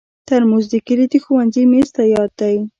ترموز د کلي د ښوونځي میز ته یاد دی.